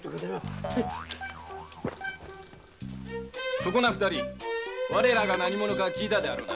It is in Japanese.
そこな二人我らが何者か聞いたであろうな？